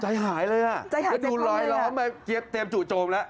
ใจหายเลยครับจะดูร้อยทำไมเต็มสู่โจมแล้ว